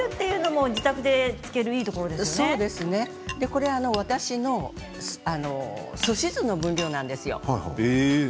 これ、私のすし酢の分量なんですよ。